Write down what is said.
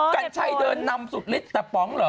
กัญชัยเดินนำสุดฤทธิแต่ป๋องเหรอ